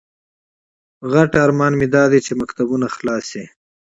ستره هیله مې داده چې مکتبونه خلاص شي